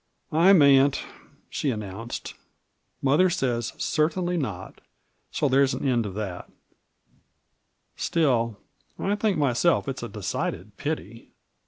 " I mayn't," she announced. " Mother says ^ Certainly not'; so there's an end of thatl Still, I think myself it's a decided pity."